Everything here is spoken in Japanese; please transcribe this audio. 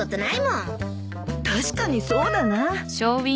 確かにそうだな。